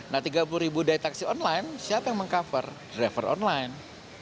nah tiga puluh ribu dari taksi online siapa yang meng cover driver online